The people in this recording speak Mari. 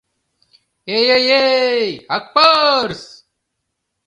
— Эй-эй-й, Акпарс!